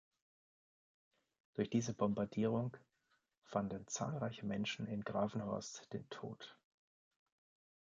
Durch diese Bombardierung fanden zahlreiche Menschen in Gravenhorst den Tod.